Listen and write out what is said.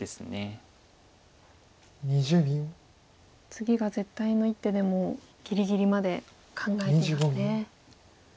次が絶対の一手でもぎりぎりまで考えていますね。